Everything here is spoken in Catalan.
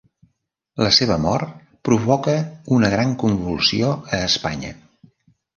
La seva mort provoca una gran convulsió a Espanya.